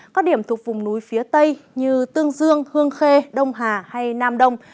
các điểm thuộc vùng núi phía tây như tương dương hương khê đông hà hay nam đông